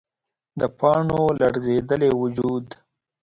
د پاڼو لړزیدلی وجود